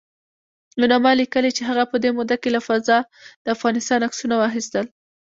یوناما لیکلي چې هغه په دې موده کې له فضا د افغانستان عکسونه واخیستل